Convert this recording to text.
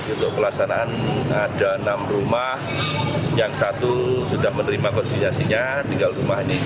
untuk pelaksanaan ada enam rumah yang satu sudah menerima kondisinya tinggal rumah ini